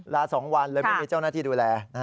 ลา๒วันเลยไม่มีเจ้าหน้าที่ดูแล